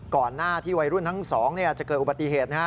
ก่อนหน้าที่วัยรุ่นทั้งสองจะเกิดอุบัติเหตุนะฮะ